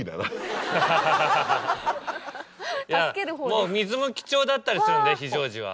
もう水も貴重だったりするんで非常時は。